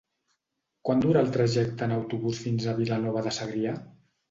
Quant dura el trajecte en autobús fins a Vilanova de Segrià?